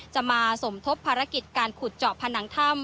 จะมาสมทบภารกิจการขุดเจาะผนังถ้ำ